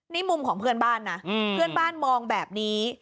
นี่มุมของเพื่อนบ้านนะเพื่อนบ้านมองแบบนี้